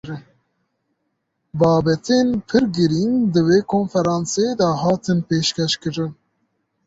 Babetên pir giring di wê konferansê de hatin pêşkêşkirin.